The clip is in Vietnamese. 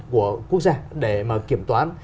của quốc gia để mà kiểm toán